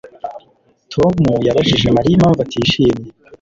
Tom yabajije Mariya impamvu atishimye